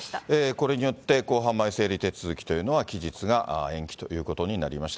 これによって公判前整理手続きというのが期日が延期ということになりました。